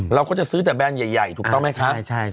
เราก็จะซื้อแต่แบรนด์ใหญ่ถูกต้องไหมคะ